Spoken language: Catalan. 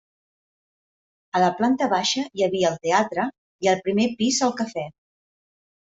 A la planta baixa hi havia el teatre i al primer pis el cafè.